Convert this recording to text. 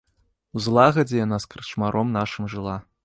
У злагадзе яна з карчмаром нашым жыла.